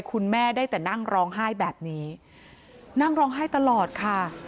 คุณแม่ได้แต่นั่งร้องไห้แบบนี้นั่งร้องไห้ตลอดค่ะ